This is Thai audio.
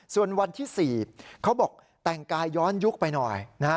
ส่วนวันที่๔เขาบอกแต่งกายย้อนยุคไปหน่อยนะฮะ